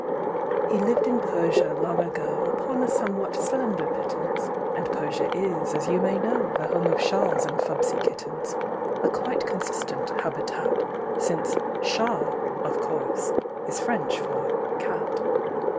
He lived in Persia, long ago, Upon a somewhat slender pittance; And Persia is, as you may know, The home of Shahs and fubsy kittens, (A quite consistent habitat, Since "Shah," of course, is French for "cat.")